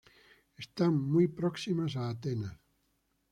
Están muy próximas a Atenas.